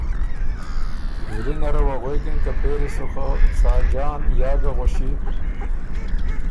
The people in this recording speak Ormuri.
زلی نره غوېکِن که پېری سو خه ساجان یا ګه غوَݭی